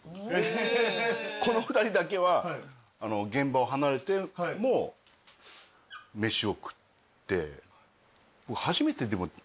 この２人だけは現場を離れても飯を食って。